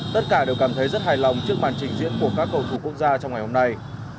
tất cả đều cảm thấy rất hài lòng trước màn trình diễn của các cầu thủ quốc gia trong ngày hôm nay